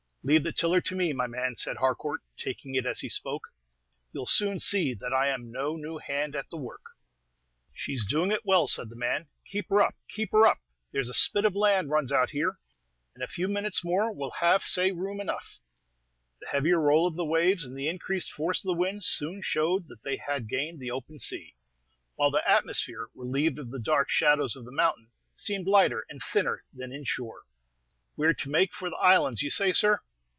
"Leave the tiller to me, my man," said Harcourt, taking it as he spoke. "You 'll soon see that I 'm no new hand at the work." "She's doing it well," said the man. "Keep her up! keep her up! there's a spit of land runs out here; in a few minutes more we'll have say room enough." The heavier roll of the waves, and the increased force of the wind, soon showed that they had gained the open sea; while the atmosphere, relieved of the dark shadows of the mountain, seemed lighter and thinner than in shore. "We 're to make for the islands, you say, sir?"